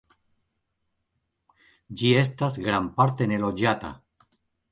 Ĝi estas grandparte neloĝata.